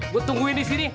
gue tungguin disini